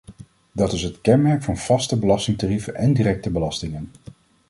Dat is het kenmerk van vaste belastingtarieven en directe belastingen.